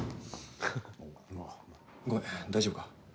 ごめん、大丈夫か。